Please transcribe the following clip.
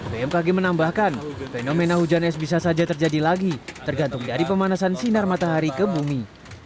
bmkg menambahkan fenomena hujan es bisa saja terjadi lagi tergantung dari pemanasan sinar matahari ke bumi